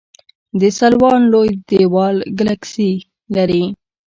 د سلوان لوی دیوال ګلکسي لري.